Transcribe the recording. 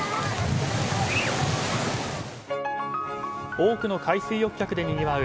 多くの海水浴客でにぎわう